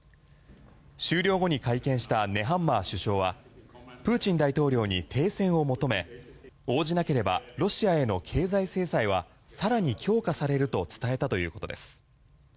終了後に会見したネハンマー首相はプーチン大統領に停戦を求め応じなければロシアへの経済制裁は更に強化されると伝えたということです。